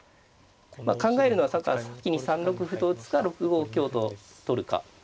考えるのは先に３六歩と打つか６五香と取るか。